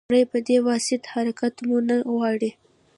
لومړی په دې واسطه حرکت مو نه غواړو.